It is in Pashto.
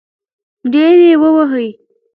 ډېر يې ووهی .